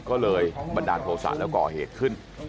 ก็เลยบันดาลโทษะแล้วก่อเหตุขึ้น